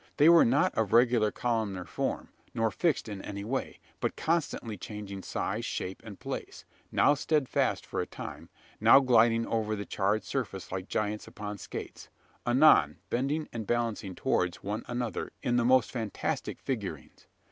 They were not of regular columnar form, nor fixed in any way; but constantly changing size, shape, and place now steadfast for a time now gliding over the charred surface like giants upon skates anon, bending and balancing towards one another in the most fantastic figurings!